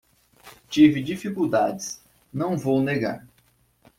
Tive dificuldades, não vou negar